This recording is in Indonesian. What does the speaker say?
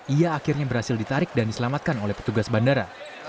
ia akhirnya berhasil ditarik dan diselamatkan oleh petugas bandara